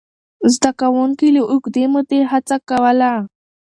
زده کوونکي له اوږدې مودې هڅه کوله.